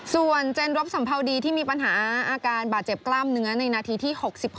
ส่วนเจนรบสัมภาวดีที่มีปัญหาอาการบาดเจ็บกล้ามเนื้อในนาทีที่๖๖